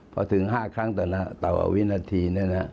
พอถึง๕ครั้งตอนนั้นต่อวินาที